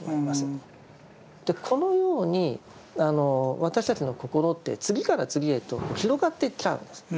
このように私たちの心って次から次へと広がっていっちゃうんです。